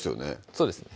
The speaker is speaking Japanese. そうですね